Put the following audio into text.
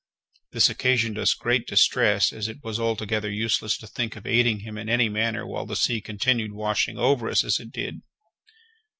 This occasioned us great distress, as it was altogether useless to think of aiding him in any manner while the sea continued washing over us as it did.